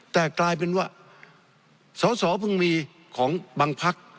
แต่กลายเป็นว่าสอพึงมีของบางภักดิ์